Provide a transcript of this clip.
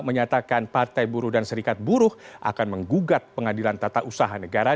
menyatakan partai buruh dan serikat buruh akan menggugat pengadilan tata usaha negara